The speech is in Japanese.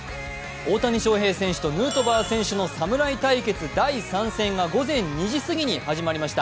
大谷翔平選手とヌートバー選手の侍対決第３戦が、午前２時過ぎに始まりました。